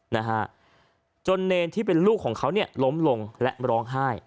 นะฮะจนเนรที่เป็นลูกของเขาเนี่ยล้มลงและร้องไห้